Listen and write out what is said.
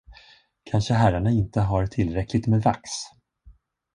Kanske herrarna inte har tillräckligt med vax?